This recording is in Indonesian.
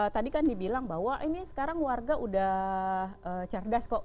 tadi kan dibilang bahwa ini sekarang warga udah cerdas kok